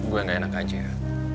gue gak enak aja ya